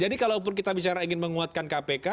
jadi kalaupun kita bicara ingin menguatkan kpk